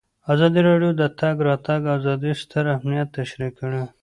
ازادي راډیو د د تګ راتګ ازادي ستر اهميت تشریح کړی.